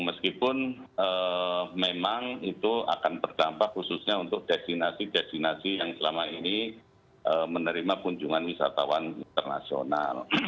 meskipun memang itu akan berdampak khususnya untuk destinasi destinasi yang selama ini menerima kunjungan wisatawan internasional